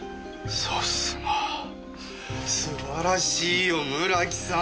さすが素晴らしいよ村木さん！